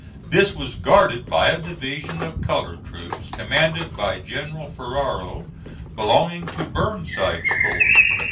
This was guarded by a division of colored troops, commanded by General Ferrero, belonging to Burnside's corps.